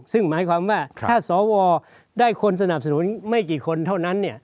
ซึ่งหมายความว่าถ้าสวได้คนสนับสนุนไม่กี่คนเท่านั้น